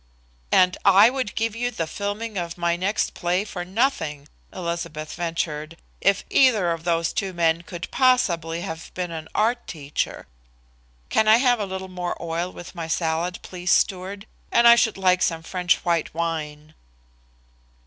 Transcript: "And I would give you the filming of my next play for nothing," Elizabeth ventured, "if either of those two men could possibly have been an art teacher.... Can I have a little more oil with my salad, please, steward, and I should like some French white wine."